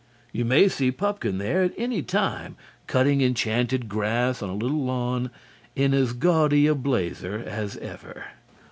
You may see Pupkin there at any time cutting enchanted grass on a little lawn in as gaudy a blazer as ever.